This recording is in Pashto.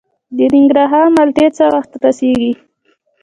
د ننګرهار مالټې څه وخت رسیږي؟